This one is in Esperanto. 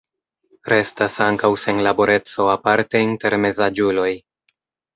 Restas ankaŭ senlaboreco aparte inter mezaĝuloj.